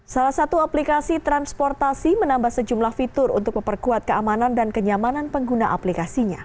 salah satu aplikasi transportasi menambah sejumlah fitur untuk memperkuat keamanan dan kenyamanan pengguna aplikasinya